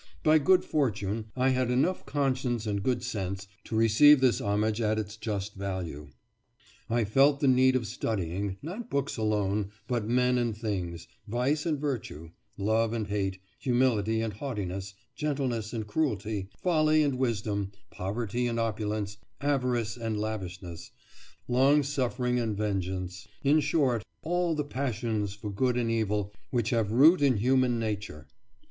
By good fortune I had enough conscience and good sense to receive this homage at its just value. I felt the need of studying, not books alone, but men and things, vice and virtue, love and hate, humility and haughtiness, gentleness and cruelty, folly and wisdom, poverty and opulence, avarice and lavishness, long suffering and vengeance in short, all the passions for good and evil which have root in human nature.